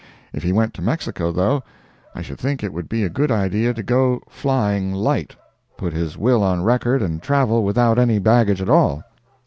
If he went to Mexico, though, I should think it would be a good idea to go "flying light"—put his will on record and travel without any baggage at all.